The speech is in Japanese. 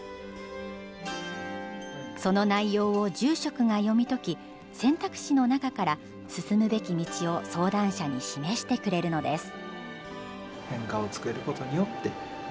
その内容を住職が読み解き選択肢の中から進むべき道を相談者に示してくれるのです。